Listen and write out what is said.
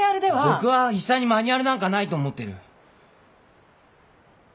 僕は医者にマニュアルなんかないと思ってる。